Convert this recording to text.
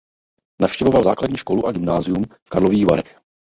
Navštěvoval základní školu a gymnázium v Karlových Varech.